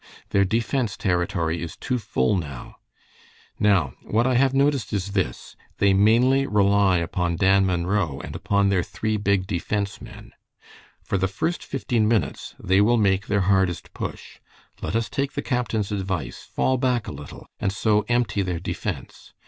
Their defense territory is too full now. Now, what I have noticed is this, they mainly rely upon Dan Munro and upon their three big defense men. For the first fifteen minutes they will make their hardest push. Let us take the captain's advice, fall back a little, and so empty their defense.